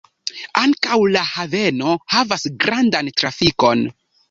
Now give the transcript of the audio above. Ankaŭ la haveno havas grandan trafikon.